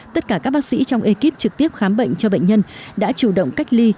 tất cả các bác sĩ trong ekip trực tiếp khám bệnh cho bệnh nhân đã chủ động cách ly